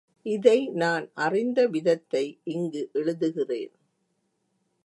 இதை நான் அறிந்த விதத்தை இங்கு எழுதுகிறேன்.